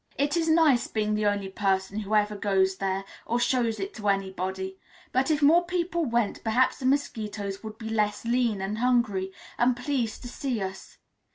It is nice being the only person who ever goes there or shows it to anybody, but if more people went, perhaps the mosquitoes would be less lean, and hungry, and pleased to see us.